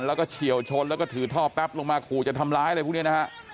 แล้วก็เฉียวชนแล้วก็ถือท่อแป๊บลงมาขู่จะทำร้ายอะไรพวกนี้นะฮะ